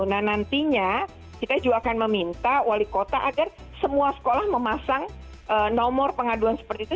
nah nantinya kita juga akan meminta wali kota agar semua sekolah memasang nomor pengaduan seperti itu